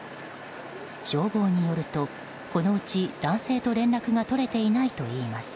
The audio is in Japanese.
消防によると、このうち男性と連絡が取れていないといいます。